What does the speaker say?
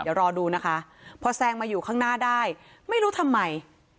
เดี๋ยวรอดูนะคะพอแซงมาอยู่ข้างหน้าได้ไม่รู้ทำไม